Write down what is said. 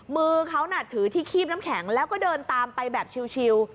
มือเขาน่ะถือที่คีบน้ำแข็งแล้วก็เดินตามไปแบบชิล